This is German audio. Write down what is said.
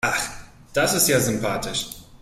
Ach, das ist ja sympathisch.